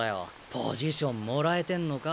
ポジションもらえてんのか？